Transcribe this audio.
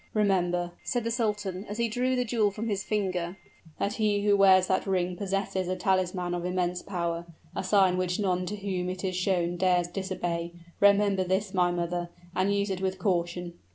"Remember," said the sultan, as he drew the jewel from his finger, "that he who wears that ring possesses a talisman of immense power a sign which none to whom it is shown dares disobey; remember this, my mother, and use it with caution."